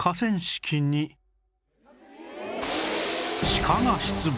シカが出没